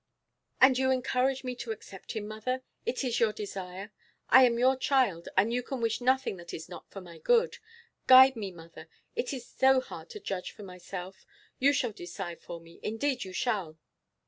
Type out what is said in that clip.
'And you encourage me to accept him, mother? It is your desire? I am your child, and you can wish nothing that is not for my good. Guide me, mother. It is so hard to judge for myself. You shall decide for me, indeed you shall.